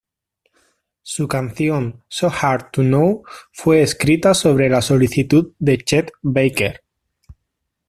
Su canción "So Hard To Know" fue escrita sobre la solicitud de Chet Baker.